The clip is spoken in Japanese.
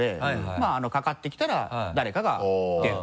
まぁかかってきたら誰かが出ると。